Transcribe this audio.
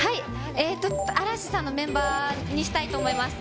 えっと、嵐さんのメンバーにしたいと思います。